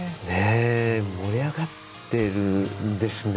盛り上がってるんですね。